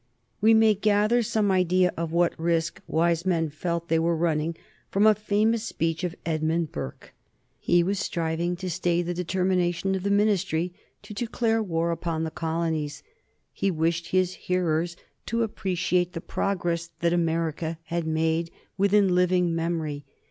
We may gather some idea of what risk wise men felt they were running from a famous speech of Edmund Burke. He was striving to stay the determination of the Ministry to declare war upon the American colonies. He wished his hearers to appreciate the progress that America had made within living memory.